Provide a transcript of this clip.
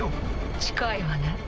近いわね。